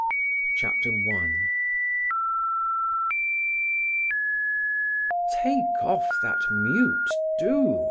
CHAPTER XXXI. I "Take off that mute, do!"